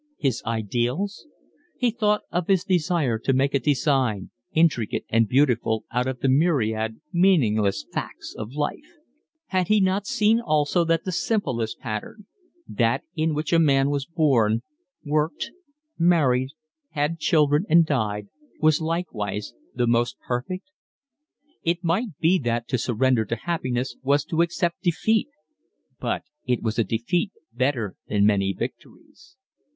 His ideals? He thought of his desire to make a design, intricate and beautiful, out of the myriad, meaningless facts of life: had he not seen also that the simplest pattern, that in which a man was born, worked, married, had children, and died, was likewise the most perfect? It might be that to surrender to happiness was to accept defeat, but it was a defeat better than many victories.